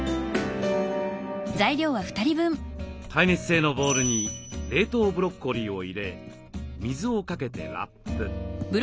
耐熱性のボウルに冷凍ブロッコリーを入れ水をかけてラップ。